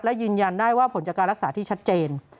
และยืนยันได้ว่าผลจากการรักษาที่ชัดเจน